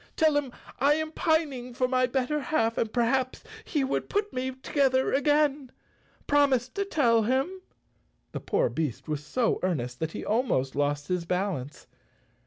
Tell him I am pining for my bet¬ ter half and perhaps he would put me together again. Promise to tell him." The poor beast was so earnest that he almost lost his balance.